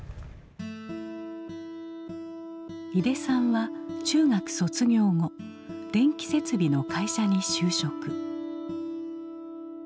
井手さんは中学卒業後電気設備の会社に就職。